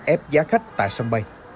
ép giá khách tại sân bay